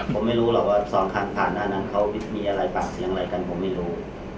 ผมไม่รู้หรอกว่าสองคันผ่านหน้านั้นเขามีอะไรปากเสียงอะไรกันผมไม่รู้